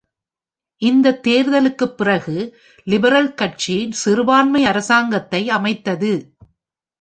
இந்த தேர்தலுக்குப் பிறகு லிபரல் கட்சி சிறுபான்மை அரசாங்கத்தை அமைத்தது.